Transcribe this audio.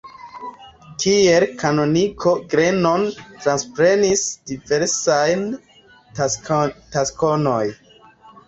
Kiel kanoniko Grenon transprenis diversajn taskojn.